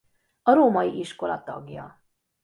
A Római iskola tagja.